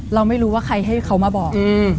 เราไม่รู้ว่าใครให้เขามาบอก